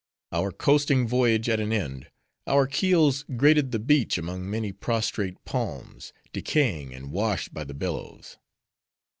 Our coasting voyage at an end, our keels grated the beach among many prostrate palms, decaying, and washed by the billows.